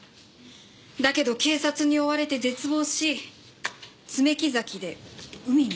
だけど警察に追われて絶望し爪木崎で海に身を投げる。